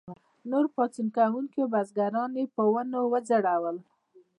نور پاڅون کوونکي بزګران یې په ونو وځړول.